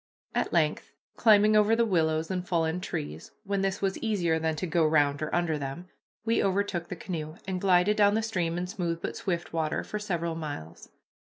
At length, climbing over the willows and fallen trees, when this was easier than to go round or under them, we overtook the canoe, and glided down the stream in smooth but swift water for several miles.